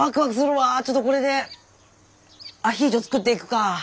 ちょっとこれでアヒージョ作っていくか。